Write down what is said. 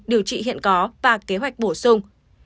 điều trị hiện có và kế hoạch bổ sung